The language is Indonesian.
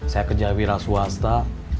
saya kerja wira swasta